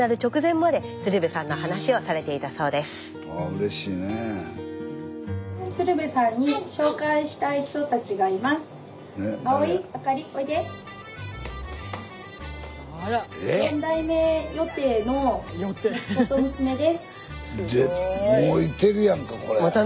もういてるやんかこれ。